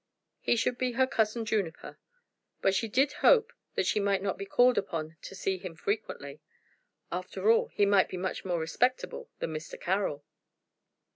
He should be her cousin Juniper. But she did hope that she might not be called upon to see him frequently. After all, he might be much more respectable than Mr. Carroll.